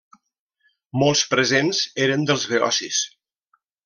Molts presents eren dels beocis.